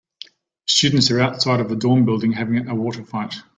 Students are outside of a dorm building having a water fight.